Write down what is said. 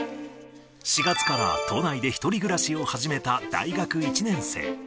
４月から都内で１人暮らしを始めた大学１年生。